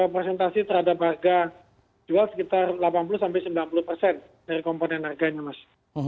presentasi terhadap harga jual sekitar delapan puluh sembilan puluh persen dari komponen harganya mas